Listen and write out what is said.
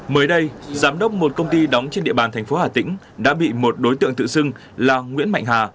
mới đây giám đốc một công ty đóng trên địa bàn thành phố hà tĩnh đã bị một đối tượng tự xưng là nguyễn mạnh hà